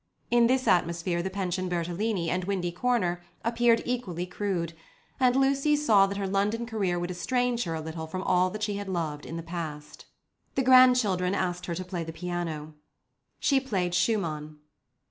In this atmosphere the Pension Bertolini and Windy Corner appeared equally crude, and Lucy saw that her London career would estrange her a little from all that she had loved in the past. The grandchildren asked her to play the piano. She played Schumann.